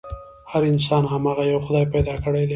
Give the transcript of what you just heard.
هر انسان هماغه يوه خدای پيدا کړی دی.